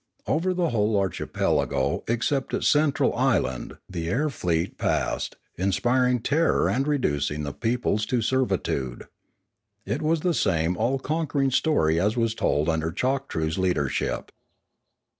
Over the whole archipelago except its central island the air fleet passed, inspiring terror and reducing the peoples to servitude. It was the same all conquering story as was told under Choktroo's leadership.